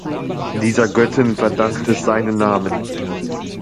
Dieser Göttin verdankt es seinen Namen.